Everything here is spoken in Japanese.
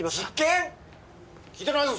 聞いてないぞ